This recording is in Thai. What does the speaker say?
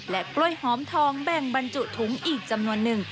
กล้วยหอมทองแบ่งบรรจุถุงอีกจำนวนหนึ่ง